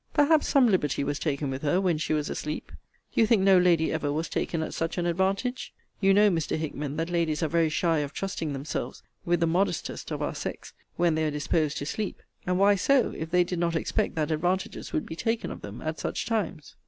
Perhaps some liberty was taken with her when she was asleep. Do you think no lady ever was taken at such an advantage? You know, Mr. Hickman, that ladies are very shy of trusting themselves with the modestest of our sex, when they are disposed to sleep; and why so, if they did not expect that advantages would be taken of them at such times?